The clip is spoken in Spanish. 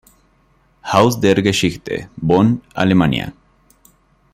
Haus der Geschichte, Bonn, Alemania.